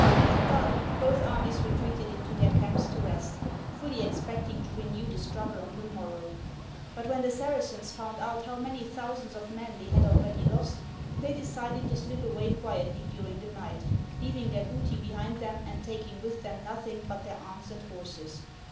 At dark, both armies retreated into their camps to rest, fully expecting to renew the struggle on the morrow. But when the Saracens found out how many thousands of men they had already lost, they decided to slip away quietly during the night, leaving their booty behind them and taking with them nothing but their arms and horses.